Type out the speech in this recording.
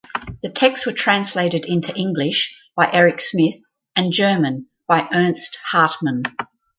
The texts were translated into English by Erik Smith and German by Ernst Hartmann.